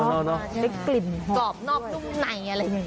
ได้กลิ่นกรอบนอกนุ่มในอะไรอย่างนี้